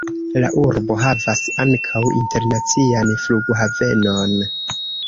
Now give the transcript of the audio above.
La urbo havas ankaŭ internacian flughavenon.